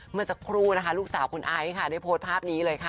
เมื่อสักครู่นะคะลูกสาวคุณไอซ์ค่ะได้โพสต์ภาพนี้เลยค่ะ